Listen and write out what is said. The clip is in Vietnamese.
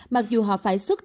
mặc dù họ phải xuất trình